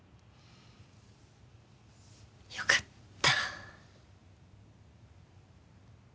よかった。